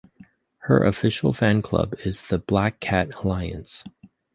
Her official fanclub is the "Black Cat Alliance".